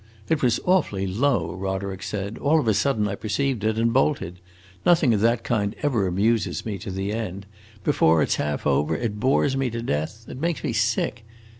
"It was awfully low," Roderick said; "all of a sudden I perceived it, and bolted. Nothing of that kind ever amuses me to the end: before it 's half over it bores me to death; it makes me sick.